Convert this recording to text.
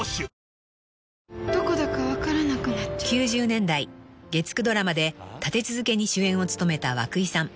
［９０年代月９ドラマで立て続けに主演を務めた和久井さん］